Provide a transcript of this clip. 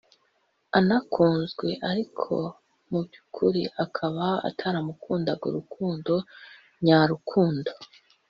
anakunzwe ariko mu by’ukuri akaba ataramukundaga urukundo nya rukundo